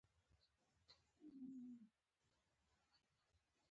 ظرفیت څنګه لوړ کړو؟